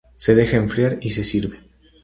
Se deja enfriar y se sirve.